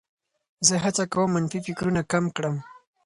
زه هڅه کوم منفي فکرونه کم کړم.